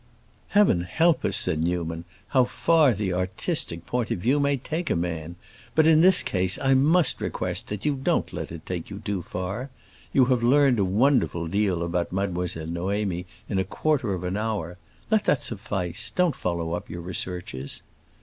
"Heaven help us!" said Newman, "how far the artistic point of view may take a man! But in this case I must request that you don't let it take you too far. You have learned a wonderful deal about Mademoiselle Noémie in a quarter of an hour. Let that suffice; don't follow up your researches."